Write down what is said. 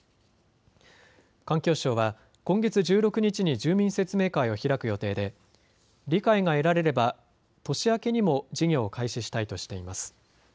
環境省は今月１６日に住民説明会を開く予定で理解が得られれば年明けにも事業を開始したいとしています。